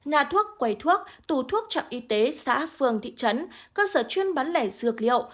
nhà thuốc quầy thuốc tủ thuốc trạm y tế xã phường thị trấn cơ sở chuyên bán lẻ dược liệu